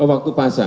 oh waktu pasang